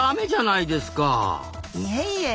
いえいえ